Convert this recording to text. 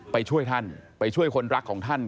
ไปช่วยท่านไปช่วยคนรักของท่าน